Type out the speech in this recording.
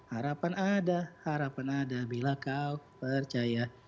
harapan ada harapan ada bila kau percaya